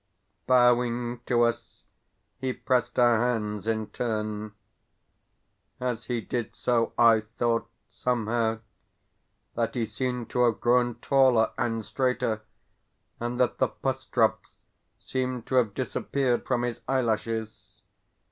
Bowing to us, he pressed our hands in turn. As he did so I thought, somehow, that he seemed to have grown taller and straighter, and that the pus drops seemed to have disappeared from his eyelashes.